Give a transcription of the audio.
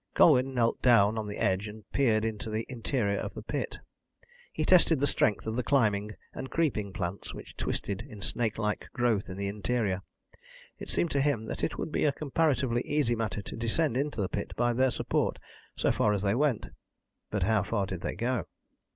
Colwyn knelt down on the edge and peered into the interior of the pit. He tested the strength of the climbing and creeping plants which twisted in snakelike growth in the interior. It seemed to him that it would be a comparatively easy matter to descend into the pit by their support, so far as they went. But how far did they go?